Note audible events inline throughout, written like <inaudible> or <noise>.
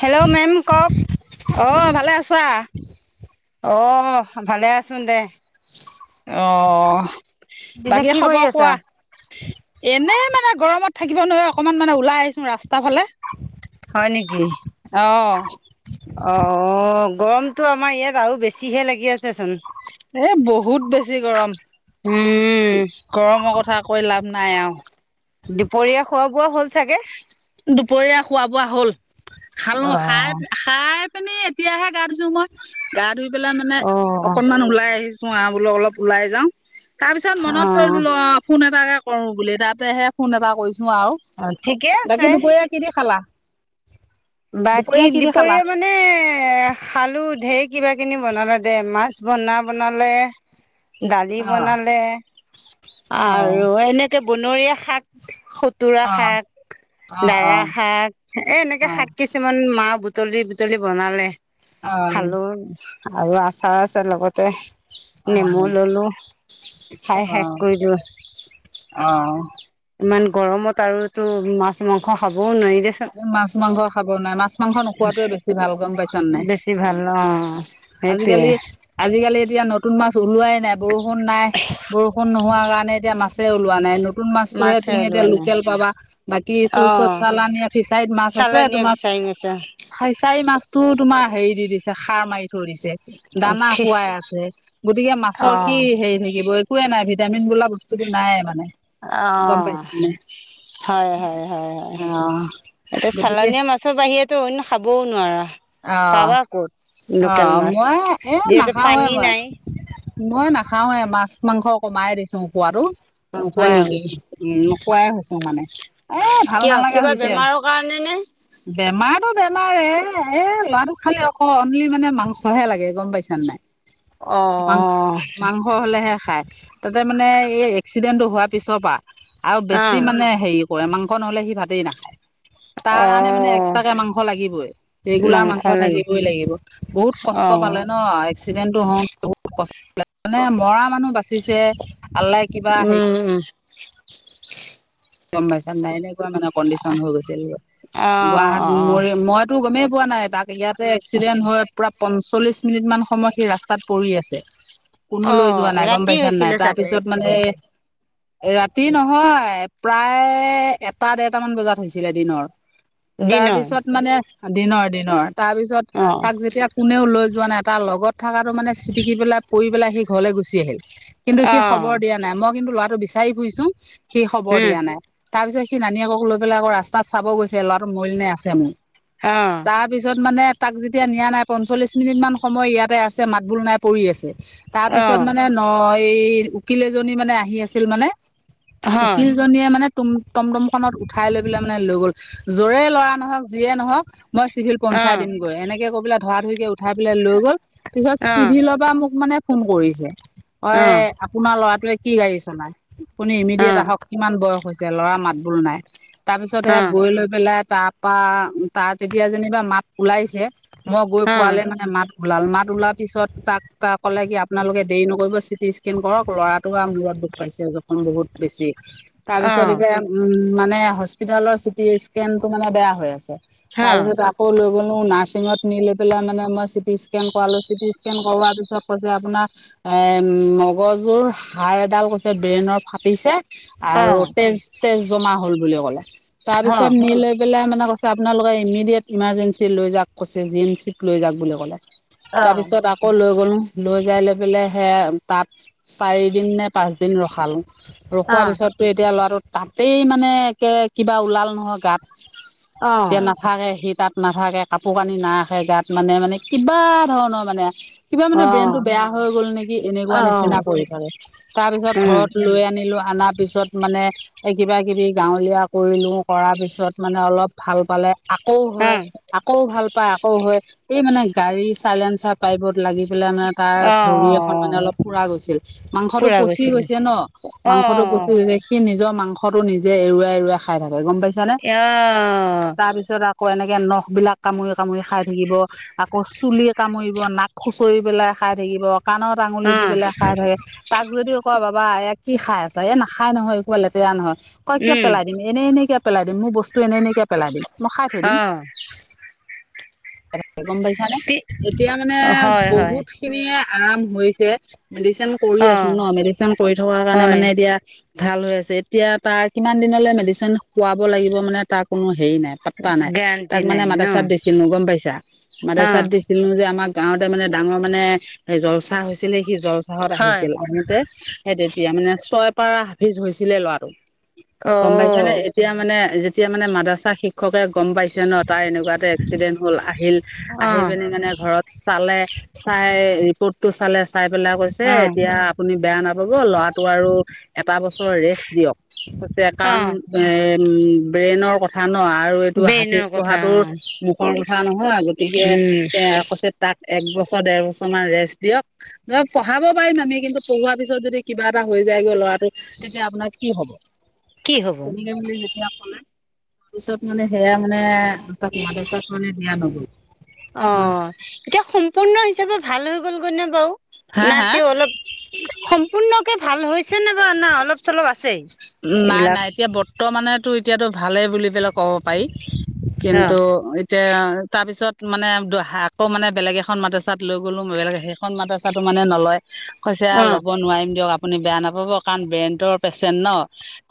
Hello ma'am কওক অ ভালে আছা অ ভালে আছো দে আহ পিছে বাকী কি কৰি খবৰ আছা কোৱা? এনেই মানে গৰমত থাকিব নোৱাৰে অকমান মানে ওলাই আহিছো ৰাস্তা ফালে হয় নেকি অঁ অ গৰমটো আমাৰ ইয়াত আৰু বেছিহে লাগি আছেচোন এ বহুত বেছি গৰম উম। গৰমৰ কথা কৈ লাভ নাই আও দুপৰীয়া খোৱা বোৱা হ'ল চাগে দুপৰীয়া খোৱা বোৱা হ'ল খালো অ খাই খাই। পিনি এতিয়াহে গা ধুইছো মই গা ধুই পেলাই মানে অ অকনমান ওলাই আহিছো। চো বোলো অলপ ওলাই যা তাৰ পিছত অ মনত পৰিলো অ ফোন এটা কৰো বুলি তাতেহে ফোন এটা কৰিছো আৰু অ ঠিকে বাকী আছে দুপৰীয়া কিদি খালা? বাকী কি দি খালা দুপৰীয়া মানে খালো ঢেৰ কিবা কিনি বনালে দে মাছ বনা বনালে দালি বনালে আৰু অ এনেকে বনৰীয়া শাক খোতুৰা অ অ শাক অ', দাৰা অ', শাক এ অ', এনেকে অ', শাক কিছুমান মাহ বুটলি বুটলি বনালে অ', খালো। আৰু আচাৰ আছে লগতে নেমু ললোঁ খাই শেষ অ', কৰিলোঁ অ', ইমান গৰমত আৰুতো মাছ মাংস খাবও নোৱাৰি। দেচোন মাছ মাংস খাব নাই। মাছ মাংস নোখোৱাতোৱে বেছি ভাল গম পাইছ নাই, বেছি ভাল অ সেইটোয়ে আজিকালি আজিকালি এতিয়া নতুন মাছ মাছ ওলোৱাই নাই। বৰষুণ নাই, বৰষুণ নোহোৱা কাৰণে এতিয়া মাছে ওলোৱা নাই নু নতুন মাছটোহে মাছে তুমি এতিয়া ওলোৱা নাই লোকেল পাবা। বাকী এইটো অ চব চালানী। ফিচাৰীত মাছ আছে চালনীয়া তোমাৰ বিচাৰি গৈছে ফিচাৰী মাছতটো তোমাৰ হেৰি দি দিছে খাৰ মাৰিছে দিছে, দানা খুৱাই আছে, গতিকে অ অ মাছৰ কি হেৰি থাকিব একোৱে নাই ভিত ভিটামিন বোলা বস্তুটো নাই মানে। অ গম পাইছা নে হয় হয় হয় হয়। অ', এতিয়া গতিকে চালনীয়া মাছৰ বাহিৰেতো অন্য খাবও নোৱাৰা। অ' পাৱা ক'ত! অ লোকেল মাছ মই এ যিহেতু নাখাওঁৱে পানী মই নাই। মই নাখা নাখাওঁৱে। মাছ মাংস কমাই দিছোঁ পোৱাটো। অ' হয় নেকি নোখোৱাইছো উম নোকোৱাই হৈছো মানে। ভাল কিয় নালাগা কিবা হৈছে বেমাৰৰ কাৰণে নে? বেমাৰটো বেমাৰেই এ এ ল'ৰাটো খালি অক অনলি মানে মাংসহে লাগে গম পাইছানে নাই। মাংস অ' মাংস হলেহে খায় তাতে মানে এই এক্সিডেণ্টটো হোৱাৰ পিছৰ পৰা আৰু বেছি অ' মানে হেৰি কৰে মাং মাংস নহ'লে সি ভাতেই নাখায়। তাৰ কাৰণে মানে অ' এক্সট্ৰাকে মাংস লাগিবই। ৰেগুলাৰ মাংস থাকিবই লাগিব। বহুত কষ্ট অ' পালে ন এক্সিডেণ্টটো হওঁ বহু মানে মৰা মানুহ বাচিছে। আল্লাই কিবা হেৰি উম উম গম পাইছা নাইনে গোৱা মানে কণ্ডিশন হৈ গৈছিল। অ' গুৱাহাট ম অ' মইতো গমেই পোৱা নাই তাক ইয়াতে এক্সিডেন্ট হয় পুৰা পঞ্চল্লিশ মিনিট মান সময় সি ৰাস্তাত পৰি আছে কোনো লৈ অ' যোৱা নাই গম ৰাতি পাইছানে নাই, হৈছিলে চাগে তাৰপিছত মানে এক্সিডেণ্টটো ৰাতি নহয় প্ৰায় এটা দেৰটামান বজাত হৈছিলে দিনৰ। দিনৰ তাৰপিছত মানে, দিনৰ দিনৰ তাৰপিছত অ' তাক যেতিয়া কোনেও লৈ যোৱা নাই, তাৰ লগত থকাটো মানে চিটিকি পেলাই পৰি পেলাই সি ঘৰলৈ গুচি আহিল। কিন্তু সি খবৰ অ' দিয়া নাই, মই কিন্তু ল'ৰাটো বিচাৰি ফুৰিছো সি খবৰ উম দিয়া নাই। তাৰপিছত সি নানীয়েক লৈ পেলাই আকৌ ৰাস্তাত চাব গৈছে ল'ৰাটো মৰিল ন আছে মোৰ। অ' তাৰপিছত মানে তাক যেতিয়া নিয়া নাই পঞ্চল্লিছ মিনিটমান সময় ইয়াতে আছে মাত বোল নাই পৰি আছে। তাৰপিছত অ' মানে ন এই উকিল এজনী মানে আহি আছিল মানে, হয় উকিলজনীয়ে মানে তুম টমটম খনত উঠাই লৈ পেলাই মানে লৈ গ'ল। যৰে লৰা নহওক যিয়ে নহক মই চিভিল পঞ্চায় অ' দিমগৈ এনেকে কবলৈ ধৰা ধৰিকে উঠাই পেলাই লৈ গ'ল পিছত অ' চিভিলৰ পৰা মোক মানে ফোন কৰিছে। অ আপোনাৰ লৰাটোৱে কি গাড়ী চলাই আপুনি ইমিডিয়েট আহক। কিমান বয়স হৈছে ল'ৰা মাত বোল নাই, তাৰ পিছত সে অ' গৈ লৈ পেলাই তাত বা তাত তেতিয়া যেনিবা মাত ওলাইছে মই গৈ অ' পোৱালে মানে মাত ওলাল। মাত ওলাৰ পিছত তাক ক'লে কি আপোনালোকে দেৰি নকৰিব চিটি স্কেন কৰক ল'ৰাটো আৰু মূৰত দুখ পাইছে জখম বহুত বেছি। তাৰ অ' পিছত অ' এতিয়া উম মানে হস্পিতালৰ চিটি স্কেন টো মানে বেয়া হৈ আছে। তাৰপিছত আকৌ লৈ গ'ল নাৰছিঙত নি লৈ পেলাই মানে মই চিটি স্কেন কৰালো, চিটি স্কেন কৰ পিছত কৈছে আপোনাৰ এ মগজুৰ হাড় এডাল কৈছে ব্ৰেইনৰ ফাটিছে আৰু তেজ তেজ জমা হল বুলি ক'লে। তাৰ পিছত নি লৈ পেলাই মানে আপোনালোকে ইমিডিয়েট ইমাৰ্জেঞ্চি লৈ যাক কৈছে জি এম চিত লৈ যাওক বুলি ক'লে। তাৰ পিছত আকৌ লৈ গ'লো। লৈ যাই লৈ পেলাই সেয়া তাত চাৰিদিন নে' পাঁচদিন ৰখালোঁ। ৰখোৱাৰ পিছত টো এতিয়া ল'ৰাটোৰ তা'তেই মানে একে কিবা ওলাল নহয় গাত- এতিয়া নাথাকে সি তাত- নাথাকে কাপোৰ কানি নাৰাখে গাত মানে মানে কিবা ধৰণৰ মানে। কিবা অ অ মানে ব্ৰেইনতটো বেয়া হৈ গ'ল নেকি এনেকুৱা নিচিনা কৰি পেলালে তাৰ পিছত উম ঘৰত লৈ আনিলো- অনা পিছত মানে এই কিবা-কিবি গাঁৱলীয়া কৰিলোঁ কৰাৰ পিছত মানে অলপ ভাল পালে। আকৌ অ হয়, আকৌ ভাল পায়, আকৌ হয় এই মানে গাড়ী চাইলেঞ্চাৰ পাইবত- লাগি পেলাই মানে তাৰ অ ভৰি এখন মানে অ অলপ পুৰা গৈছিল মাংসটো পুৰা পচি গৈছিলে গৈছে ন'। অ মাংসটো অ গুচি যে সি নিজৰ মাংসটো নিজে এৰুৱাই এৰুৱাই খাই থাকে। গম পাইছ নে'। অ তাৰপিছত আকৌ- আকৌ এনেকে নখ বিলাক কামুৰি কামুৰি খাই থাকিব, আকৌ চুলি কামুৰিব, নাক খুচৰি পেলাই- খাই থাকিব কাণত আঙুলি দি পেলাই খাই থাকে। তাক যদিও কওঁ বাবা এক- কি খাই আছা এ' নাখাই নহয় এইবোৰ লেতেৰা নহয় কই কিয় উম পেলাই দিম এনেই এনেই- পেলাই দিম মোৰ বস্তু এনেই এনেকে পেলাই দিম মই খাই থৈ দিম। গম পাইছানে এতিয়া মানে অ হয় হয় বহুত খিনিয়ে আৰাম হৈছে। মেডিচিন কৰি অ আছো ন' মেডিচিন কৰি থকাৰ কাৰণে হয় মানে এতিয়া- ভাল হৈ আছে। এতিয়া তাৰ কিমান দিনলৈ মেডিচিন খুৱাব লাগিব মানে তাৰ কোনো- হেৰি নাই পটতা নাই। গেৰাণ্টি তাক মানে নাই ন মাদ্ৰা চাত দিছিলো গম পাইছা মাদ্ৰ অ চাত দিছিলো যে আমাক- গাওঁতে মানে ডাঙৰ মানে জল চাহ হৈছিলে সি জল চাহত হয় আহিছিল আহোতে। সেই তেতিয়া মানে ছয় পৰা হাফিজ হৈছিলে ল'ৰাটো অ গম পাইছানে। এতিয়া মানে- এতিয়া মানে মাদ্ৰা শিক্ষকে গম পাইছে ন' তাৰ এনেকুৱা এটা এক্সিডেণ্ট হ'ল। আহিল অ আহি পিনি মানে ঘৰত চালে চাই ৰিপৰ্টটো চালে। চাই পেলাই কৈছে অ এতিয়া আপুনি বেয়া নাপাব ল'ৰাটোক আৰু এটা বছৰ ৰেষ্ট দিয়ক। কৈছে অ কাৰণ এ' ব্ৰেইনৰ কথা ন'। অঁ আৰু এইটো হাফিজ ব্ৰেইনৰ কথা পঢ়াৰ অ মুখৰ কথা নহয় গতিকে উম এ' কৈছে তাক- এক বছৰ, ডেৰ বছৰ মান ৰেষ্ট দিয়ক নহয় পঢ়াব পাৰিম আমি কিন্তু পঢ়োৱাৰ পিছত- যদি কিবা এটা হৈ যায় গৈ ল'ৰাটো তেতিয়া আপোনাৰ কি হ'ব। কি হব কেনেকৈ মিলি যেতিয়া- <unintelligible> তাৰপিছত মানে সেয়া মানে তাক মাদ্ৰছাত মানে দিয়া নগল। অ এতিয়া সম্পূৰ্ণ হিচাপে ভাল হৈ গ'ল গৈ নে বাৰু? হা হা নাতি অলপ সম্পূৰ্ণকে ভাল হৈছে নে বাৰু না অলপ চলপ আছেই? নাই এইবিলাক নাই এতিয়া বৰ্তমানটো এতিয়াতো ভালেই বুলি পেলাই ক'ব পাৰি। কিন্তু এতিয়া তাৰপিছত- মানে আকৌ মানে বেলেগ এখন মাদ্ৰছাত লৈ গ'লো সেইখন মাদ্ৰছাতো মানে নলয়। কৈছে অ ল'ব নোৱাৰিম দিয়ক আপুনি বেয়া নাপাব কাৰণ ব্ৰেনটৰ পেচেণ্ট ন'।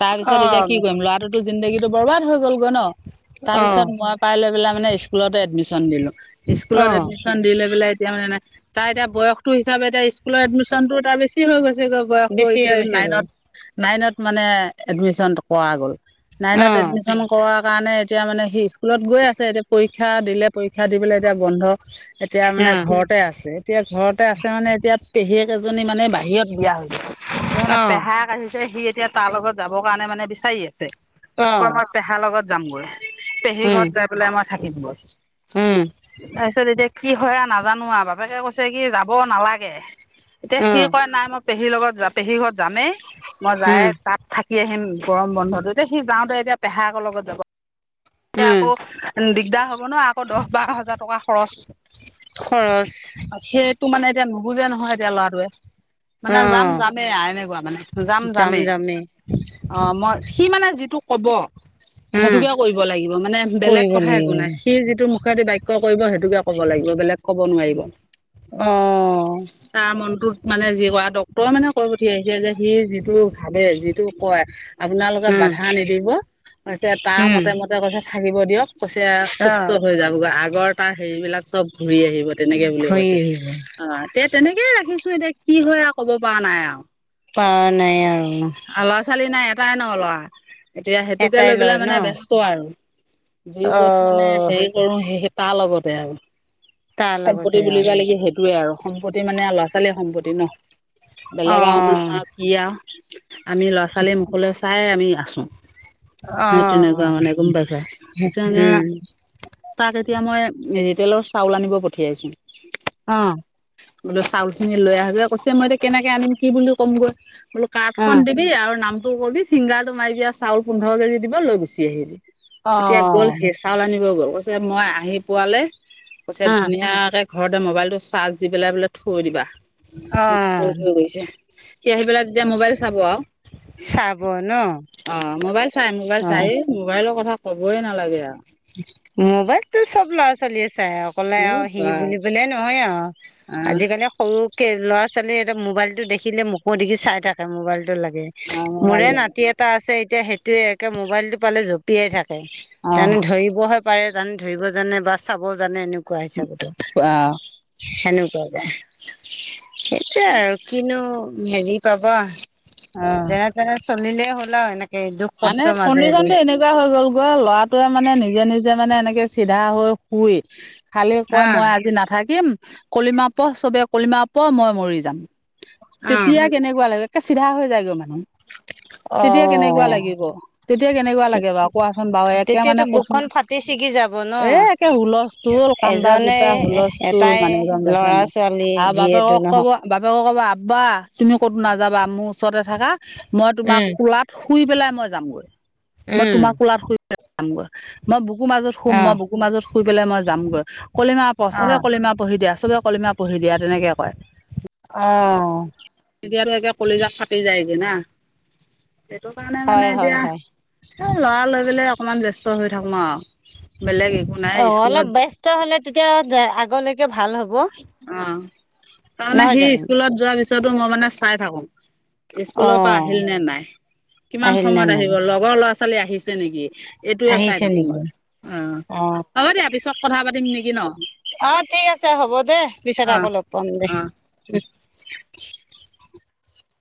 তাৰ অ পিছত এতিয়া কি কৰিম লৰাটো জিন্দাগীটো বৰবাদ হৈ গলগৈ ন'। তাৰ অ অ পিছত মই পাই লৈ পেলাই মানে স্কুলতে এডমিশ্যন দিলো। অ স্কুলত এডমিশ্যন দি পেলাই- এতিয়া মানে তাই এতিয়া বয়সটো হিচাপে এতিয়া স্কুলৰ এডমিশ্যন টো এতিয়া বেছি হৈ গৈছে। বয়সটো বেছি হৈ এতিয়া গৈছে গৈ নাইনত নাইনত মানে এডমিশ্যন টো কৰা গ'ল। অ নাইনত এডমিশ্যন কৰাৰ কাৰণে- এতিয়া মানে সি স্কুলত গৈ আছে এতিয়া পৰীক্ষা দিলে পৰীক্ষা দি পেলাই এতিয়া বন্ধ। এতিয়া মানে ঘৰতে আছে এতিয়া ঘৰতে আছে মানে এতিয়া- পেহীয়েক এজনী মানে বাহিৰত দিয়া হৈছে অ অ পেহাক আহিছে সি- এতিয়া তাৰ লগত যাবৰ কাৰণে মানে বিচাৰি আছে অ কয় পেহাৰ লগত যামগৈ। পেহীৰ উম ঘৰত যাই পেলাই আমাৰ থাকিম গৈ। উম তাৰপিছত এতিয়া- কি হয় আৰু নাজানো আৰু বাপেকে কৈছে কি যাব নালাগে। এতিয়া অ সি কয় নাই মই- পেহীৰ লগত যামেই পেহীৰ ঘৰত যামেই মই উম যায়- থাকি আহিম গৰম বন্ধটো এতিয়া সি যাওঁতে এতিয়া পেহাইকৰ লগত যাব। এতিয়া উম আকৌ দিগদাৰ হ'ব ন আকৌ দহ বাৰ হাজাৰ টকা খৰচ। খৰচ। সেইটো মানে এতিয়া নুবুজে নহয় এতিয়া ল'ৰাটোৱে। অ মানে যাম যামেই আ এনেকুৱা মানে যাম যামেই। অ মই সি মানে যিটো কব উম সেইটোকে কৰিব লাগিব মানে বেলেগ কৰিব কথাই লাগিব একো নাই সি যিটোখ <unintelligible> কৰিব সেইটোকে ক'ব লাগিব বেলেগ ক'ব' নোৱাৰিব অ তাৰ মনটো মানে যি কয় ডক্টৰে মানে কৈ পঠিয়াইছে যে সি যিটো ভাবে যিটো কয় আপোনালোকে উম বাধা নিদিব কৈছে তাৰ উম মতে মতে কৈছে থাকিব দিয়ক কৈছে অ সুস্থ হৈ যাবগৈ আগৰ তাৰ হেৰিবলাক চব ঘূৰি আহিব তেনেকে বুলি ঘূৰি কৈছে আহিব অ তে তেনেকেইে ৰাখিছোঁ এতিয়া কি হয় আও ক'ব পৰা নাই আও। পাৰা নাই আৰু ন। ল'ৰা ছোৱালী নাই এটাই ন ল'ৰা এতিয়া সেইটোকে এটাই লৈ লৰা পেলাই ন মানে ব্যস্ত আৰু। যি অ য'ত মানে হেৰি কৰোঁ সেই তাৰ লগতে আৰু। তাৰ সম্পত্তি লগতে অ বুলিবা লাগি সেইটোয়ে আৰু। সম্পত্তি মানে ল'ৰা ছোৱালীৰ সম্পত্তি ন বেলেগ আৰু অ মানুহৰ কি আ। আমি ল'ৰা ছোৱালী মুখলৈ চাই আমি আছোঁ। সেই অ', তেনেকুৱা মানে গম পাইছা? এতিয়া মানে উম, তাক এতিয়া মই ৰিটলৰ চাউল আনিব পঠিয়াইছোঁ। অ। বোলোঁ চাউল খিনি লৈ আহ গৈ, কৈছে মই এতিয়া কেনেকে আনিম কি বুলি ক'মগৈ বোল খন অ', দিবি আৰু নামটো কৰিবি ফিংগা তো মাৰিবি চাউল পোন্ধৰ কেজি দিব লৈ গুচি আহিবি। এতিয়া গ'ল অ', সেই চাউল আনিব গ'ল কৈছে মই আহি পোৱালে কৈছে অ', ধুনীয়াকে ঘৰতে মোবাইলটো চাৰ্জ দি পেলাই বোলে থৈ দিবা। সি মোক কৈ অ', থৈ গৈছে সি আহি পেলাই তেতিয়া মোবাইল চাব আও। চাব। ন? অ মোবাইল চাই মোবাইল চাই অ', মোবাইলৰ কথা কবই নালাগে আৰু। মোবাইলটো চব ল'ৰা ছোৱালী তাই অকলে এই আও সি বা বুলিবলে নহয় আও আহ আজিকালি সৰুকে ল'ৰা ছোৱ ছোৱালী এটা মোবাইল টো দেখিলে মুখ দেগি চাই থাকে মোবাইলতো লাগে। আহ ভাল মোৰে লাগে। নাতি এটা আছে এতিয়া সেইটোয়ে একে মোবাইলতটো পালে জপিয়াই থাকে। অহ তাৰে দিবহে পাৰে জানি ধৰিব জানে বা চাবও জানে এনেকুৱা হিচাপতো। আহ সেনেকুৱা যে সেইটোয়ে আৰু কিনো হেৰি পাব। আহ যেনে তেনে চলিলে হ'ল আৰু এনেকে। দুখ মানে কষ্টৰ মাজেদি কণ্ডিশ্যনটো এনেকুৱা হৈ গ'ল গৈ ল'ৰাটোৱে মানে নিজে নিজে মানে এনেকে চিধা হৈ শুই খালি কয় আহ মই আজি নাথাকিম। কলিমা প চবে কলিমা প মই মৰি যাম তেতিয়া কেনেকুৱা লাগে। কে চিধা হৈ যায়গৈ মানুহ অ তেতিয়া কেনেকুৱা লাগে লাগিব তেতিয়া কেনেকুৱা লাগে বাৰু কোৱাচোন বাৰু একে মানে তেতিয়াতো কচোন বুকখন ফাটি ছিগি যাব ন এ একে হুলচ তুল কান্দা এজনে গোটা হুলজ তুল এটাই মানে একদম কান্দে ল'ৰা কান্দে ছোৱালী আৰু যিহেতু বাপেকক ক'ব নহওক বাপেক। কবা আবা তুমি ক'তো নাযাবা মোৰ ওচৰতে থাকা মই তোমাৰ উম কোলাত শুই পেলাই মই যাম গৈ মই তোমাৰ কোলাত শুই যামগৈ মই বুকু মাজত শুম অ মই বুুকুৰ মাজত শুই পেলাই মই যামগৈ কলিমা পচৰে কলিমা পঢ়ি দিয়া পচৰে কলিমা পঢ়ি দিয়া তেনেকে কয় অ। এতিয়াতো একে কলিজা ফাটি যায়গে না সেইটো কাৰণে মানে হয় হয় এতিয়া। হয় এই ল'ৰা লৈ পেলাই অকণমান ব্যস্ত হৈ থাকোঁ আৰু। বেলেগ একো নাই অ স্কুলত অলপ বস্ত হ'লে তেতিয়া আগলৈকে ভাল হ'ব। অ তাৰমানে নহয় জানো সি স্কুলত যোৱাৰ পিছতো মই মানে চাই থাকোঁ। অ স্কুলৰ পৰা আহিল নে নাই? কিমান আহিল নে সময়ত নাই আহিব লগৰ ল'ৰা ছোৱালী আহিছে নেকি? এইটোয়ে চাই আহিছে থাকোঁ নেকি মই। অ হ'ব দিয়া পিছত কথা পাতিম নেকি ন। অ ঠিক আছে হ'ব দে পিছত অ আকৌ লগ পাম দে অ উ।